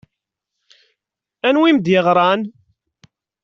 Anwa i m-d-yeɣṛan?